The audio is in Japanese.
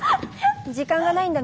時間がないんだ